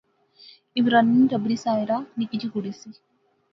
عمرانے نی ٹبری ساحرہ نکی جئی کڑی سی